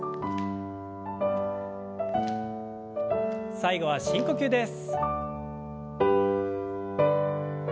最後は深呼吸です。